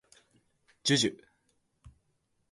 じゅじゅ